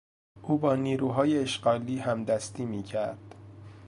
او با نیروهای اشغالی همدستی میکرد.